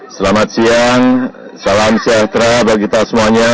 selamat siang salam sejahtera bagi kita semuanya